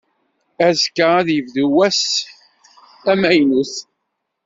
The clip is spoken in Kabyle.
Azekka, ad yebdu wass amaynut.